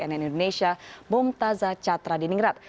cnn indonesia bumtaza catra di ningrat